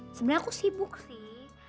sebenernya aku sibuk sih